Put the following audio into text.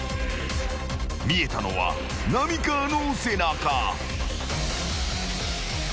［見えたのは浪川の背中］